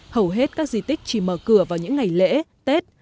hầu hết các di tích chỉ mở cửa vào những ngày lễ tết